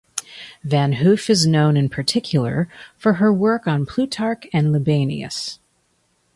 Van Hoof is known in particular for her work on Plutarch and Libanius.